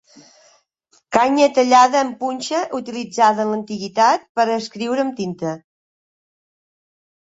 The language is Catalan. Canya tallada en punxa utilitzada en l'antiguitat per a escriure amb tinta.